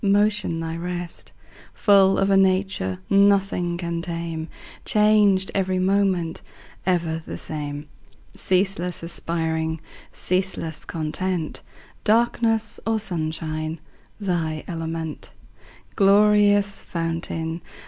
Motion thy rest; Full of a nature Nothing can tame, Changed every moment, Ever the same; Ceaseless aspiring, Ceaseless content, Darkness or sunshine Thy element; Glorious fountain.